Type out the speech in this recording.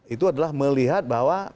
itu adalah melihat bahwa